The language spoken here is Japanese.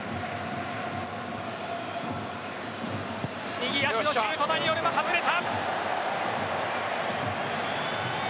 右足のシュートダニ・オルモ外れた。